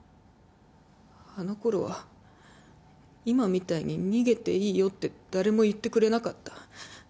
あのころは今みたいに逃げていいよって誰も言ってくれなかった。